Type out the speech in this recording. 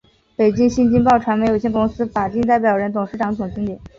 北京新京报传媒有限责任公司法定代表人、董事长、总经理